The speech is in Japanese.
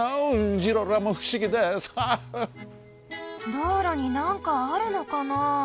道路になんかあるのかな？